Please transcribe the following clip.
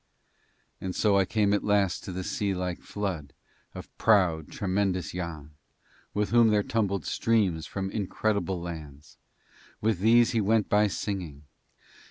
And so I came at last to the sea like flood of proud, tremendous Yann, with whom there tumbled streams from incredible lands with these he went by singing.